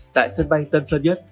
tại sân bay tân sơn nhất